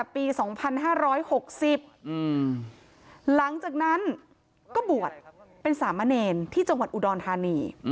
ปี๒๕๖๐หลังจากนั้นก็บวชเป็นสามเณรที่จังหวัดอุดรธานี